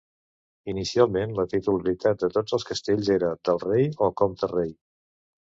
Inicialment la titularitat de tots els castells era del rei o comte-rei.